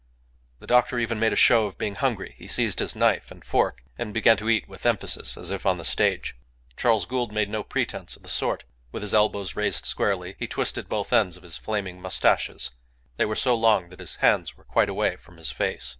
The doctor even made a show of being hungry; he seized his knife and fork, and began to eat with emphasis, as if on the stage. Charles Gould made no pretence of the sort; with his elbows raised squarely, he twisted both ends of his flaming moustaches they were so long that his hands were quite away from his face.